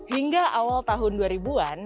hingga awal tahun dua ribu an